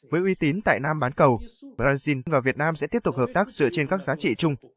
với uy tín tại nam bán cầu brazil và việt nam sẽ tiếp tục hợp tác dựa trên các giá trị chung